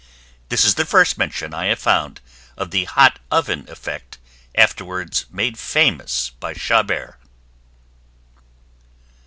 This is the first mention I have found of the hot oven effect afterwards made famous by Chabert.